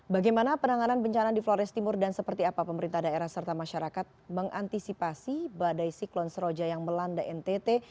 bagaimana penanganan bencana di flores timur dan seperti apa pemerintah daerah serta masyarakat mengantisipasi badai siklon seroja yang melanda ntt